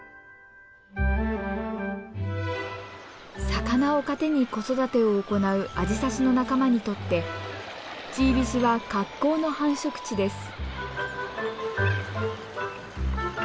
魚を糧に子育てを行うアジサシの仲間にとってチービシは格好の繁殖地です。